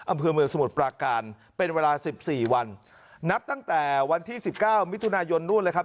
อำเภอเมืองสมุทรปราการเป็นเวลาสิบสี่วันนับตั้งแต่วันที่สิบเก้ามิถุนายนนู่นเลยครับ